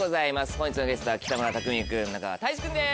本日のゲストは北村匠海君中川大志君です。